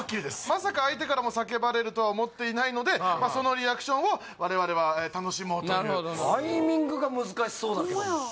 まさか相手からも叫ばれるとは思っていないのでそのリアクションを我々は楽しもうというタイミングが難しそうだけどホンマ